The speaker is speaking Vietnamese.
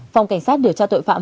phòng cảnh sát điều tra tội phạm